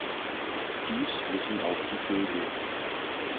Dies wissen auch die Vögel.